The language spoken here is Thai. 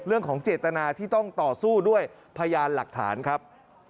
เรื่องของเจตนาที่ต้องต่อสู้ด้วยพยานหลักฐานครับ